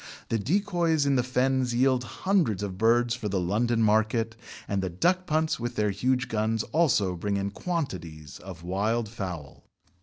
The decoys in the Fens yield hundreds of birds for the London market, and the duck punts with their huge guns also bring in quantities of wild fowl.